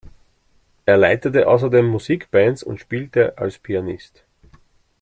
Er leitete außerdem Musikbands und spielte als Pianist.